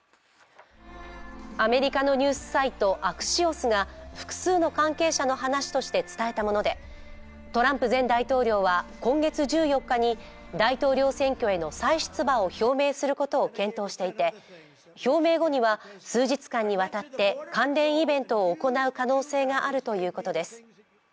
アメリカのニュースサイトアクシオスが複数の関係者の話として伝えたもので、トランプ前大統領は、今月１４日に大統領選挙への再出馬を表明することを検討していて、表明後には数日間にわたって関連イベントを行う可能性があるということです。